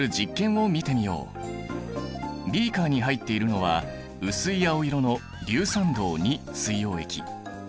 ビーカーに入っているのは薄い青色の硫酸銅水溶液。